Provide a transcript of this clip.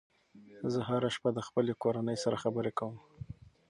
زه هره شپه د خپلې کورنۍ سره خبرې کوم.